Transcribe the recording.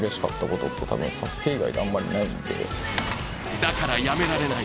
だからやめられない